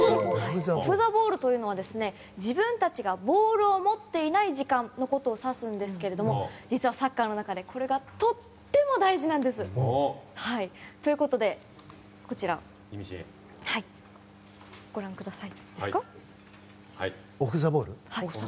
オフ・ザ・ボールというのは自分たちがボールを持っていない時間のことを指すんですけれども実はサッカーの中ではこれがとても大事なんです。ということで、ご覧ください。